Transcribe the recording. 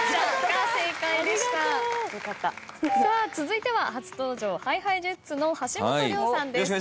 さあ続いては初登場ＨｉＨｉＪｅｔｓの橋本涼さんです。